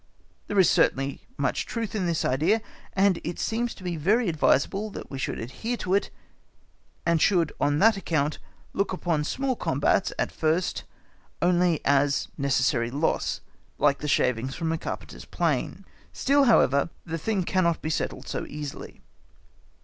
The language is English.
There is certainly much truth in this idea, and it seems to be very advisable that we should adhere to it and should on that account look upon small combats at first only as necessary loss, like the shavings from a carpenter's plane. Still, however, the thing cannot be settled so easily.